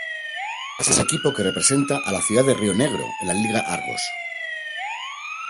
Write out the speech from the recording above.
Es el equipo que representa a la ciudad de Rionegro en la liga Argos.